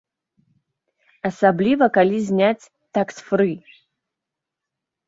Асабліва калі зняць такс-фры.